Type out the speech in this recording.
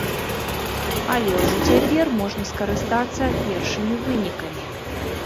Але ўжо цяпер можна скарыстацца першымі вынікамі.